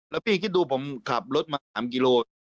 แล้วพี่คิดดูผมขับรถมา๓กิโล